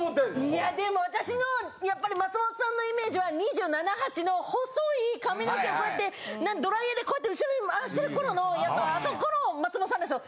いやでも私のやっぱり松本さんのイメージは２７２８の細い髪の毛をこうやってドライヤーでこうやって後ろにまわしてる頃のやっぱあそこの松本さんですよ。